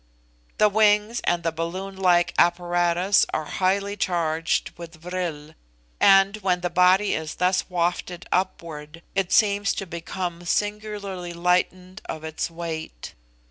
The wings and the balloon like apparatus are highly charged with vril; and when the body is thus wafted upward, it seems to become singularly lightened of its weight.